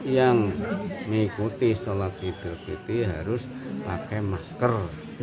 yang mengikuti sholat hidup itu harus pakai masker